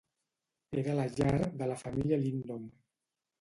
Era la llar de la família Lyndon.